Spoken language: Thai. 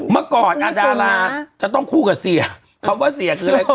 เมื่อก่อนดาราจะต้องคู่กับเสียคำว่าเสียคืออะไรก่อน